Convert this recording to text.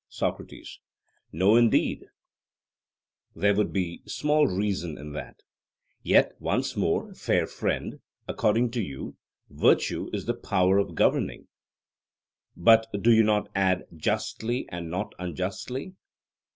SOCRATES: No, indeed; there would be small reason in that. Yet once more, fair friend; according to you, virtue is 'the power of governing;' but do you not add 'justly and not unjustly'?